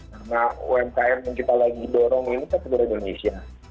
karena umkm yang kita lagi dorong ini satu dari indonesia